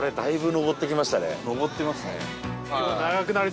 上ってますね。